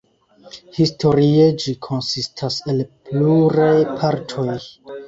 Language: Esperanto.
Historie ĝi konsistas el pluraj partoj.